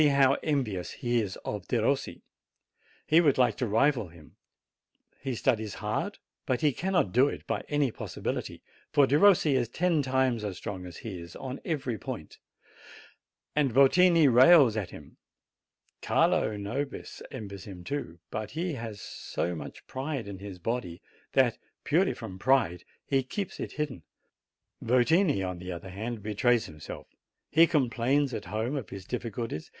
fa 'rnvious he is of Dero He would like to rival him; he studies hard, but he cannr,: do it by any jility, for Den : is ten time as ,tron; ht is on every '.'Ant; and Votini rails at him. Carlo Xobis envies him too; but he has so much pride in his h that, purely from pride, he keeps it hidden. Yotini, on the other hand, betrays himself: he com plains at home of his difficult! '